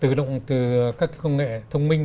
tự động từ các công nghệ thông minh